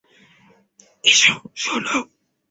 এসো, শোনো!